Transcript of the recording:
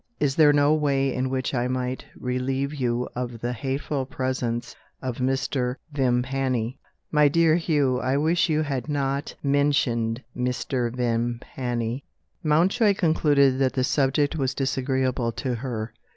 Is there no way in which I might relieve you of the hateful presence of Mr. Vimpany?" "My dear Hugh, I wish you had not mentioned Mr. Vimpany." Mountjoy concluded that the subject was disagreeable to her.